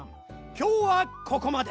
きょうはここまで！